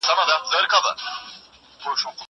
کېدای سي وخت کم وي!!